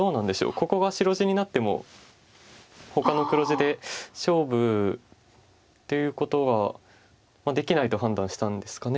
ここが白地になってもほかの黒地で勝負っていうことはできないと判断したんですかね。